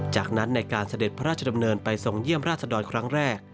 จากนั้นในการเสด็จพระราชดำเนินไปทรงเยี่ยมราชดรครั้งแรก